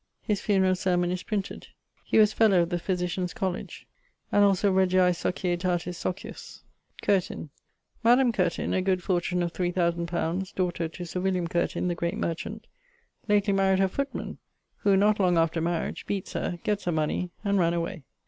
His funerall sermon is printed. He was fellow of the Physitians' College and also Regiae Societatis Socius. =... Curtin.= Madam Curtin, a good fortune of 3000 li., daughter to Sir William Curtin, the great merchant, lately married her footman, who, not long after marriage, beates her, getts her money, and ran away.